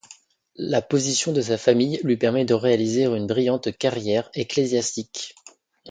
La position de sa famille lui permet de réaliser une brillante carrière ecclésiastique.